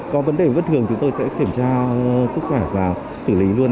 có vấn đề vấn thường thì tôi sẽ kiểm tra sức khỏe và xử lý luôn